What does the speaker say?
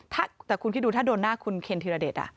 แต่คุณคิดดูถ้าโดนหน้าคุณเคนธีรเดช